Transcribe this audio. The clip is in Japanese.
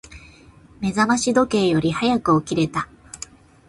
目覚まし時計より早く起きれた。